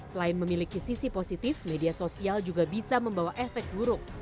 selain memiliki sisi positif media sosial juga bisa membawa efek buruk